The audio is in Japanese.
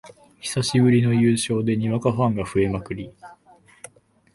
久しぶりの優勝でにわかファン増えまくり